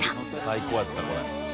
最高やったこれ。